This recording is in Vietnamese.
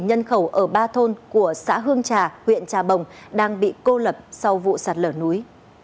nhân khẩu ở ba thôn của xã hương trà huyện trà bồng đang bị cô lập sau vụ sạt lở núi